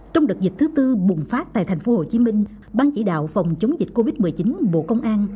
trong đợt dịch thứ tư bùng phát tại thành phố hồ chí minh ban chỉ đạo phòng chống dịch covid một mươi chín bộ công an